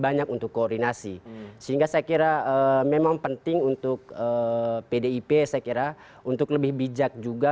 banyak untuk koordinasi sehingga saya kira memang penting untuk pdip saya kira untuk lebih bijak juga